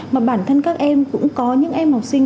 mà bản thân các em cũng có những em học sinh